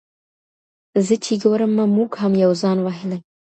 زه چي ګورمه موږ هم یو ځان وهلي !.